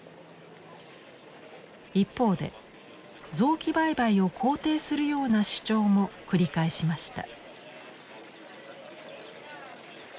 一方で臓器売買を肯定するような主張も繰り返しました。